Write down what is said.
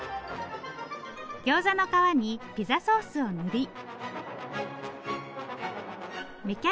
ギョーザの皮にピザソースを塗り芽